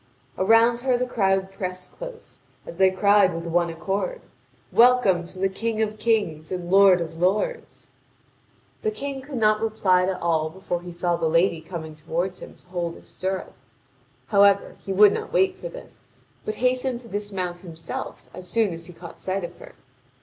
Around her the crowd pressed close, as they cried with one accord: "Welcome to the King of kings and lord of lords!" The King could not reply to all before he saw the lady coming toward him to hold his stirrup. However, he would not wait for this, but hastened to dismount himself as soon as he caught sight of her.